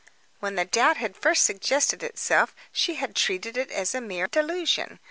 When the doubt had first suggested itself she had treated it as a mere delusion.